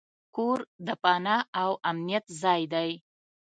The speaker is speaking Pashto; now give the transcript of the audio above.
کور د پناه او امنیت ځای دی.